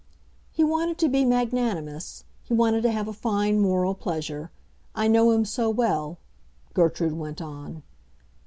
"He wanted to be magnanimous; he wanted to have a fine moral pleasure. I know him so well," Gertrude went on.